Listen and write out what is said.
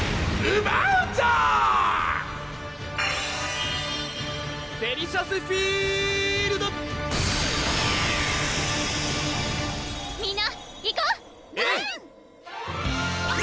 うん！